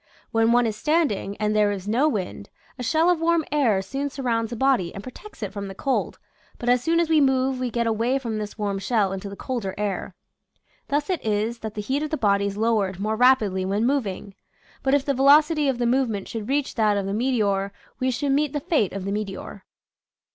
When one is standing, and there is no wind, a shell of warm air soon surrounds the body and protects it from the cold, but as soon as we move we get away from this warm shell into the colder air. Thus it is that the heat of the body is lowered more rapidly when moving. But if the velocity of the movement should reach that of the meteor we should meet the fate of the meteor.